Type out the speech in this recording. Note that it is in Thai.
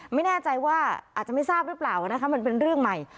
ไม่แน่ใจว่าอาจจะไม่ทราบหรือเปล่านะคะมันเป็นเรื่องใหม่